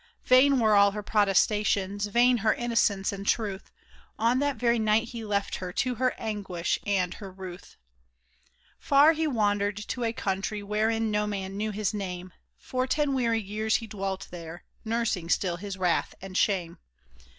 Vain were all her protestations, vain her innocence and truth ; On that very night he left her to her anguish and her ruth. 1 88 THE LEGEND OF THE ORGAN BUILDER Far he wandered to a country wherein no man knew his name. For ten weary years he dwelt there, nursing still his wrath and shame.